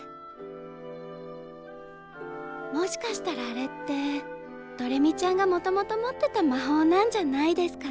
もしかしたらあれってどれみちゃんがもともと持ってた魔法なんじゃないですかね。